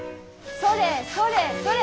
それそれそれ！